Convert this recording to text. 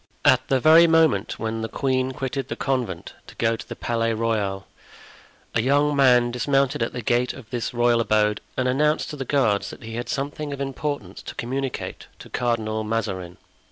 At the very moment when the queen quitted the convent to go to the Palais Royal, a young man dismounted at the gate of this royal abode and announced to the guards that he had something of importance to communicate to Cardinal Mazarin.